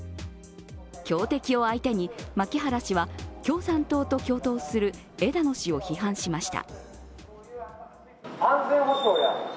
強敵を相手に牧原氏は共産党と共闘する枝野氏を批判しました。